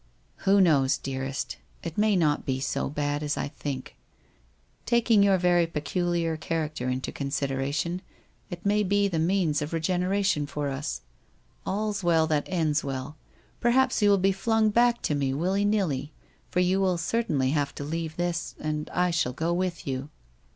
' Who knows, dearest ? It may not be so bad as I think. Taking your very peculiar character into consideration, it WHITE ROSE OF WEARY LEAP 345 may be the means of regeneration for us. All's well that ends well. Perhaps you will be flung back to me, willy nilly, for you will certainly have to leave this and I shall go with you.'